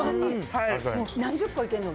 何十個いけるの？